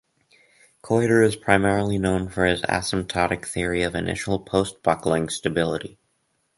Koiter is primarily known for his asymptotic theory of initial post-buckling stability.